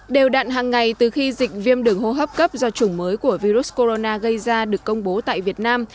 đều đạn hàng ngày từ khi dịch viêm đường hô hấp cấp do chủng mới của virus corona gây ra được công bố tại việt nam